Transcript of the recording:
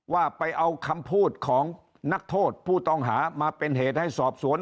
ว่าไปเอาคำพูดของนักโทษผู้ต้องหามาเป็นเหตุให้สอบสวน